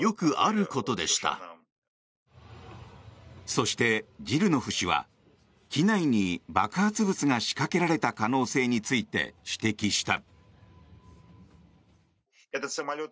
そしてジルノフ氏は機内に爆発物が仕掛けられた可能性について指摘した。